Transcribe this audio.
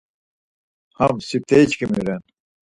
Ham sifteriçkimi ren.